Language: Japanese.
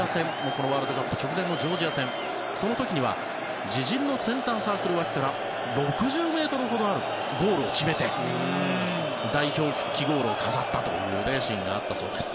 このワールドカップ直前のジョージア戦その時には自陣のセンターサークル脇から６０ｍほどあるゴールを決めて代表復帰ゴールを飾ったというシーンがあったそうです。